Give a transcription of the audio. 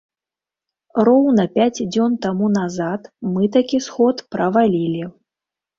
Роўна пяць дзён таму назад мы такі сход правалілі.